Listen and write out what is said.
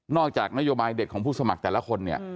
จากนโยบายเด็ดของผู้สมัครแต่ละคนเนี่ย